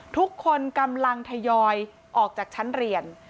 ทุกคนกำลังทยอยออกจากชั้นเรียน